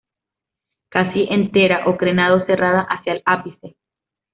Casi entera o crenado- serrada hacia el ápice.